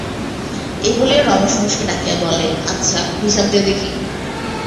এই বলিয়া রমেশ উমেশকে ডাকিয়া বলে, আচ্ছা, হিসাব দে দেখি।